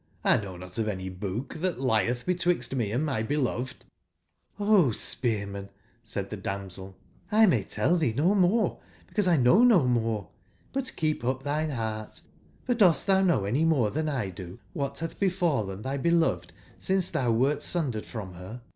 1 know not of any book tbat lietb be twixt me & my beloved ''J9 O Spear man/' said tbe damsel/' Imay tell tbee no more, becauselknow no more^But keep up tbine beartt for dost tbou know any more tbanldo wbat batb befallen tby beloved since tbou wert sundered from ber?